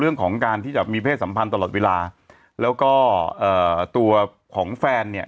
เรื่องของการที่จะมีเพศสัมพันธ์ตลอดเวลาแล้วก็เอ่อตัวของแฟนเนี่ย